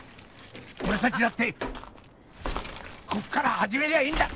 俺達だってこっから始めりゃいいんだ！